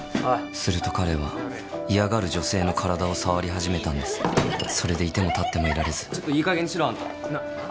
・すると彼は嫌がる女性の体を触り始めたんですそれで居ても立ってもいられずいい加減にしろあんた